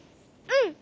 うん。